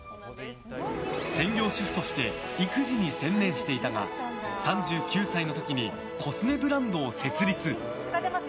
専業主婦として育児に専念していたが３９歳の時にコスメブランドを設立。